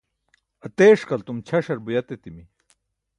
ateṣqaltum, ćaṣar buyat etimi